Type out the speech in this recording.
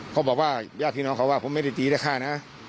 เขาบอกว่าว่ายากที่นำงเค้าว่าผมไม่ได้ดีต่อข้านะ